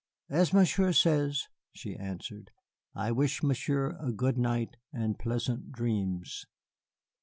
"As Monsieur says," she answered. "I wish Monsieur a good night and pleasant dreams."